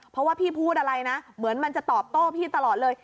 เพราะว่าพี่พูดอะไรนะเหมือนมันจะตอบโต้พี่ตลอดเลย